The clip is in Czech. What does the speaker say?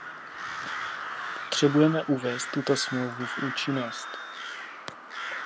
Potřebujeme uvést tuto smlouvu v účinnost.